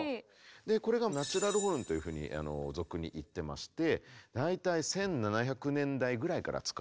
これがナチュラルホルンというふうに俗にいってまして大体１７００年代ぐらいから使われてました。